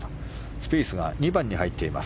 スピースが２番に入っています。